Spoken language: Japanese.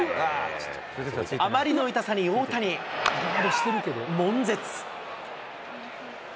あまりの痛さに大谷、もん絶。